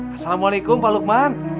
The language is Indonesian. assalamualaikum pak lukman